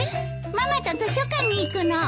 ママと図書館に行くの。